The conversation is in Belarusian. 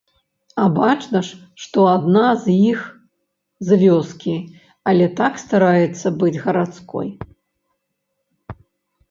А бачна ж, што адна з іх з вёскі, але так стараецца быць гарадской.